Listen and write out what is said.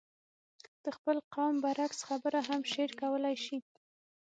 د خپل قوم برعکس خبره هم شعر کولای شي.